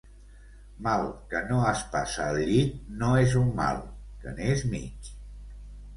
Mal que no es passa al llit no és un mal, que n'és mig.